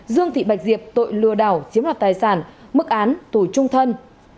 dương thị bạch diệp tội lừa đảo chiếm ra tài sản mức án tùy trung thân